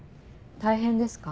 大変ですか？